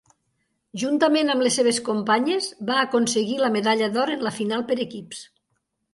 Juntament amb les seves companyes, va aconseguir la medalla d'or en la final per equips.